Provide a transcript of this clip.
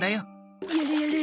やれやれ。